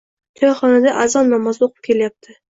— Choyxonada azon namozi o‘qib kelyapti.